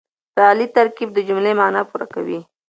فعلي ترکیب د جملې مانا پوره کوي.